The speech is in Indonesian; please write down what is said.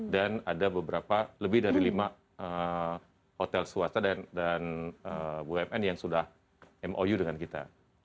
dan ada beberapa lebih dari lima hotel swasta dan umn yang sudah mou dengan kita